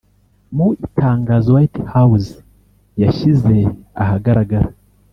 Mu Itangazo White House yashyize ahagaragara